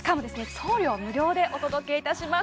送料無料でお届けいたします